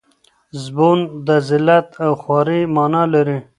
زبون د ذلت او خوارۍ مانا لري.